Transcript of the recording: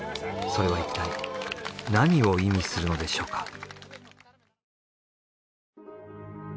それはいったい何を意味するのでしょうか？